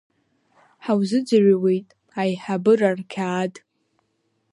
Ҳаузыӡырҩуеит, аиҳабыра рқьаад!